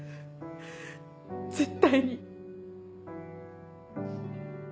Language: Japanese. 絶対に。